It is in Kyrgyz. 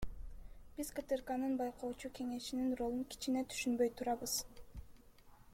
Биз КТРКнын байкоочу кеңешинин ролун кичине түшүнбөй турабыз.